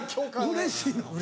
うれしいの。